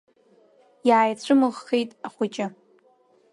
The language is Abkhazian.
Иааицәымыӷхеит ахәыҷы.